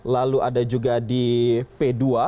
lalu ada juga di p dua